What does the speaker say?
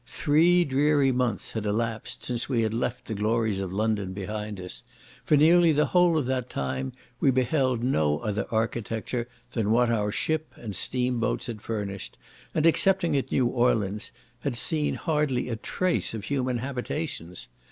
Three dreary months had elapsed since we had left the glories of London behind us; for nearly the whole of that time we beheld no other architecture than what our ship and steam boats had furnished, and excepting at New Orleans, had seen hardly a trace of human habitations.